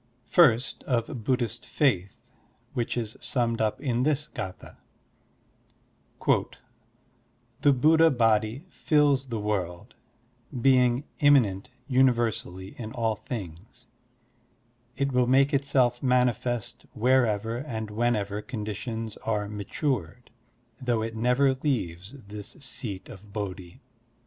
First, of Buddhist faith, which is summed up in this g4th4 : "The Buddha Body fills the world, Being immanent tiniversally in all things; It will make itself manifest wherever and whenever conditions are matured, Though it never leaves this Seat of Bodhi."